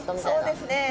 そうですね。